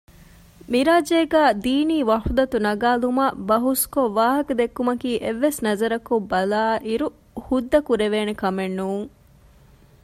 މި ރާއްޖޭގައި ދީނީ ވަޙުދަތު ނަގައިލުމަށް ބަހުސްކޮށް ވާހަކަދެއްކުމަކީ އެއްވެސް ނަޒަރަކުން ބަލާއިރު ހުއްދަކުރެވޭނެ ކަމެއް ނޫން